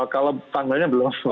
kalau tanggalnya belum